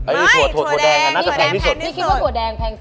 ถั่วแดง